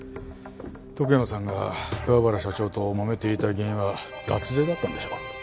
徳山さんが桑原社長ともめていた原因は脱税だったんでしょ？